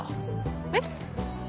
えっ？